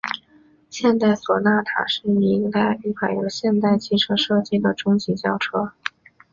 现代索纳塔是一款由现代汽车设计的中级轿车。